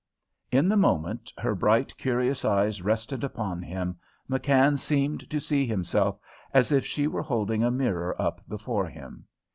In the moment her bright, curious eyes rested upon him, McKann seemed to see himself as if she were holding a mirror up before him.